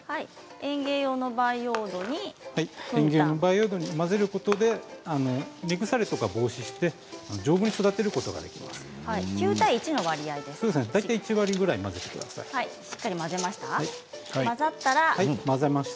園芸用の培養土に混ぜることで根腐れを防止して丈夫に育てることができます。